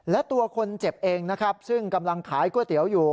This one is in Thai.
และตัวคนเจ็บเองนะครับซึ่งกำลังขายก๋วยเตี๋ยวอยู่